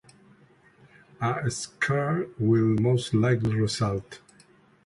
A scar will most likely result.